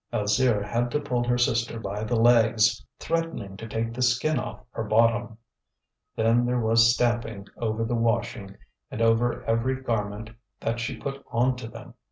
Alzire had to pull her sister by the legs, threatening to take the skin off her bottom. Then there was stamping over the washing, and over every garment that she put on to them.